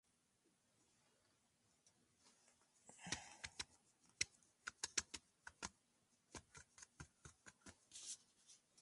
Dentro de las publicaciones del Dr.